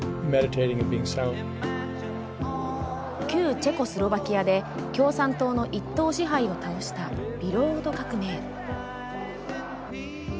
旧チェコスロバキアで共産党の一党支配を倒したビロード革命。